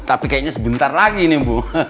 tapi kayaknya sebentar lagi nih bu